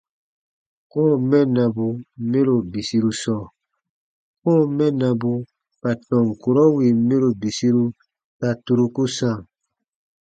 Kɔ̃ɔ mɛnnabu mɛro bisiru sɔɔ : kɔ̃ɔ mɛnnabu ka tɔn kurɔ wìn mɛro bisiru ta turuku sãa.